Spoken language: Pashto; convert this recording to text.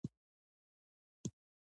آیا استخبارات بیدار دي؟